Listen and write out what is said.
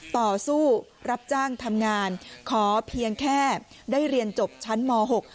ต่อสู้รับจ้างทำงานขอเพียงแค่ได้เรียนจบชั้นม๖